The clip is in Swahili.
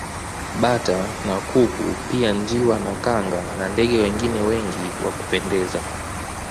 Bata na kuku pia njiwa na kanga na ndege wengine wengi wa kupendeza